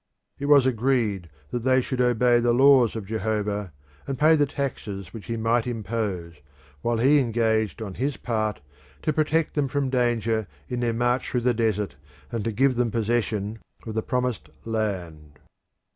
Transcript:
It was agreed that they should obey the laws of Jehovah, and pay the taxes which he might impose, while he engaged on his part to protect them from danger in their march through the desert and to give them possession of the Promised Land.